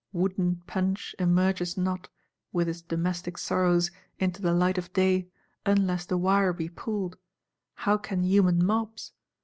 Wooden Punch emerges not, with his domestic sorrows, into the light of day, unless the wire be pulled: how can human mobs?